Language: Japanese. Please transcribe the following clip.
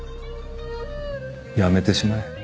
やめてしまえ